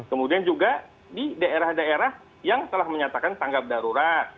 kemudian juga di daerah daerah yang telah menyatakan tanggap darurat